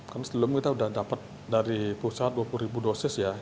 kan sebelumnya kita sudah dapat dari pusat dua puluh ribu dosis ya